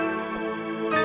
ini buat lo